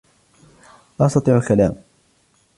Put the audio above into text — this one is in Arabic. لا أستطيع الكلام.